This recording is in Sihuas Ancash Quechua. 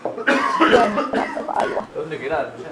Waraymi trakapa aywaa.